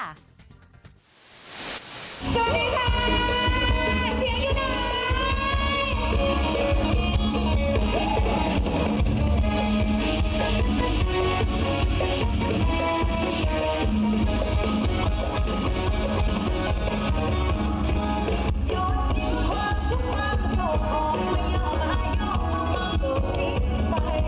สวัสดีค่ะเสียงอยู่ไหน